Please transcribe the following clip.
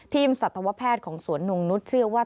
สัตวแพทย์ของสวนนงนุษย์เชื่อว่า